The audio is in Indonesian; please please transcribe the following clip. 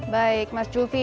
baik mas julfi